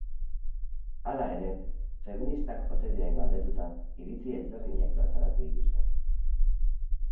Hala ere, feministak ote diren galdetuta, iritzi ezberdinak plazaratu dituzte.